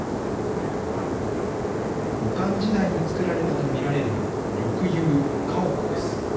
後漢時代に作られたと見られる、緑釉家屋です。